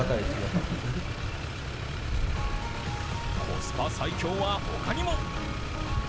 コスパ最強は他にも。